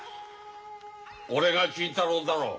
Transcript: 俺が金太郎だろ。